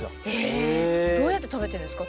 えどうやって食べてるんですか？